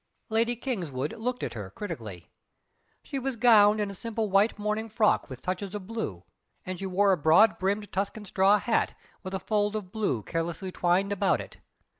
Lady Kingswood looked at her critically. She was gowned in a simple white morning frock with touches of blue, and she wore a broad brimmed Tuscan straw hat with a fold of blue carelessly twined about it.